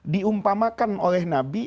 diumpamakan oleh nabi